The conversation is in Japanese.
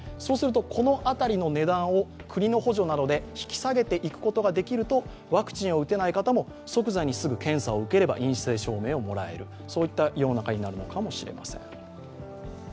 このあたりを国の補助などで引き下げることができるとワクチンを打てない方も即座にすぐ検査を受ければ陰性証明をもらえる、そういった世の中になるのかもしれません。